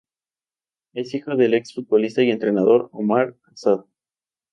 Es hijo del ex futbolista y entrenador Omar Asad.